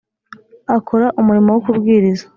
Akora umurimo wo kubwiriza